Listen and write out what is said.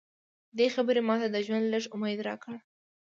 دې خبرې ماته د ژوند لږ امید راکړ